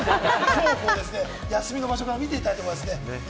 トークも休みの場所から見ておきたいと思います。